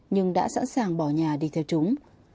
nhưng đã sẵn sàng bỏ nhà đi theo chúng